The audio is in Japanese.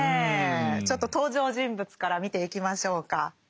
ちょっと登場人物から見ていきましょうか。